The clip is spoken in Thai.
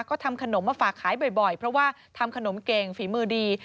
ก็ทำขนมมาฝากขายบ่อยเพราะว่าทำขนมเก่งฝีมือดี